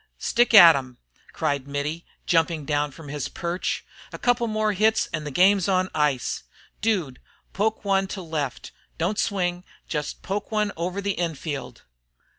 Stick at 'em!" cried Mittie, jumping down from his perch. "A couple more hits an' the game's on ice. Dude, poke one to left. Don't swing. Jest poke one over the in field."